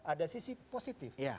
ada sisi positif